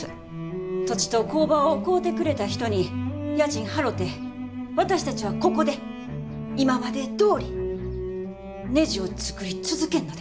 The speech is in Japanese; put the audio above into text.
土地と工場を買うてくれた人に家賃払て私たちはここで今までどおりねじを作り続けんのです。